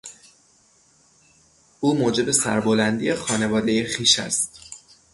او موجب سربلندی خانوادهی خویش است.